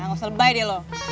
nah gak usah lebay dia loh